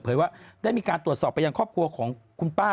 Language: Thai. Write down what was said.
ว่าได้มีการตรวจสอบไปยังครอบครัวของคุณป้า